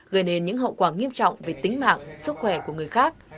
gây nên những hậu quả nghiêm trọng về tính mạng sức khỏe của người khác